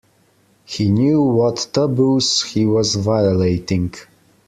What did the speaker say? He knew what taboos he was violating.